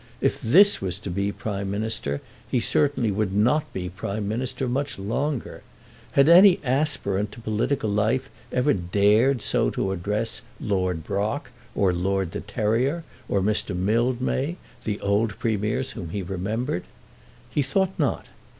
If this was to be Prime Minister he certainly would not be Prime Minister much longer! Had any aspirant to political life ever dared so to address Lord Brock, or Lord De Terrier, or Mr. Mildmay, the old Premiers whom he remembered? He thought not.